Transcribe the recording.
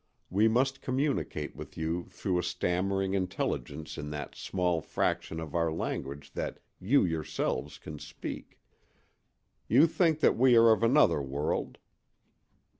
We must communicate with you through a stammering intelligence in that small fraction of our language that you yourselves can speak. You think that we are of another world.